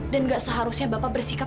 dan nggak seharusnya bapak bersikap